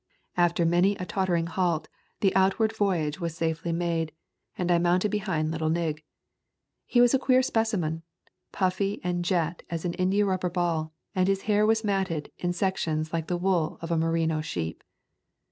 After many a tottering halt the outward voyage was safely made, and I mounted behind little Nig. He was a queer specimen, puffy and jet as an India rubber doll and his hair was matted in sec tions like the wool of a merino sheep.